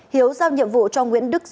hiếu giao nhiệm vụ cho nguyễn đức duy